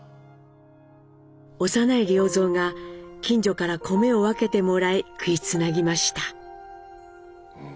幼い良三が近所から米を分けてもらい食いつなぎました。